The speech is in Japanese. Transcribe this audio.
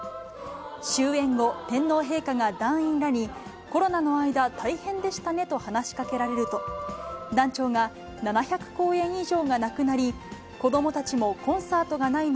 終演後、天皇陛下が団員らに、コロナの間、大変でしたねと話しかけると、団長が、７００公演以上がなくなり、子どもたちもコンサートがないの